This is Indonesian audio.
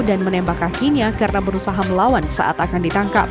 dan menembak kakinya karena berusaha melawan saat akan ditangkap